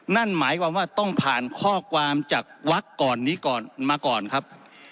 นั่นหมายความว่าต้องผ่านข้อความจากวักก่อนนี้ก่อนมาก่อนครับ